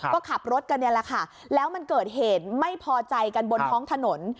ก็ขับรถกันเนี่ยแหละค่ะแล้วมันเกิดเหตุไม่พอใจกันบนท้องถนน